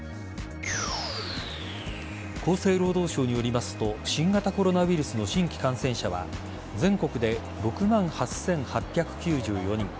厚生労働省によりますと新型コロナウイルスの新規感染者は全国で６万８８９４人